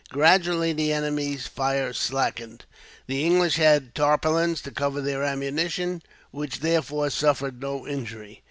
Gradually the enemy's fire slackened. The English had tarpaulins to cover their ammunition, which, therefore, suffered no injury.